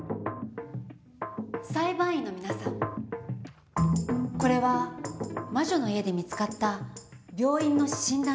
裁判員の皆さんこれは魔女の家で見つかった病院の診断書です。